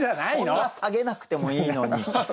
そんな下げなくてもいいのに。